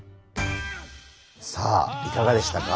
さあいかがでしたか？